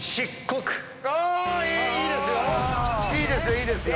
いいですよ！